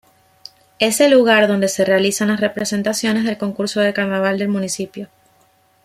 Es el lugar donde se realizan las representaciones del concurso de carnaval del municipio.